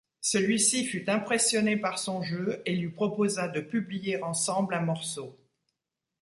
Celui-ci fut impressionné par son jeu, et lui proposa de publier ensemble un morceau.